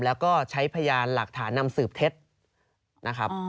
แล้วก็ใช้พยานหลักฐานนำสืบเท็จนะครับ